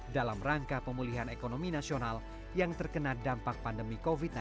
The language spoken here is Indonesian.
dalam rangka pemulihan ekonomi nasional yang terkena dampak pandemi